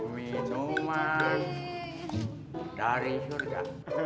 minuman dari surga